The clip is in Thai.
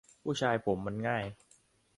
ผู้ชายผมมันง่าย